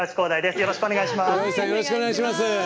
よろしくお願いします。